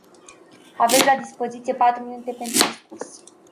Aveți la dispoziție patru minute pentru discurs.